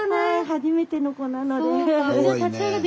初めての子なので。